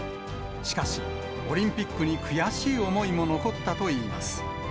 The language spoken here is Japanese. しかし、オリンピックに悔しい思いも残ったといいます。